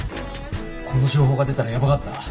この情報が出たらヤバかった。